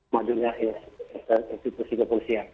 majulnya inspektur polisi